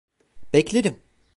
Beklerim.